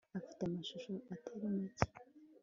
afite amashusho atari make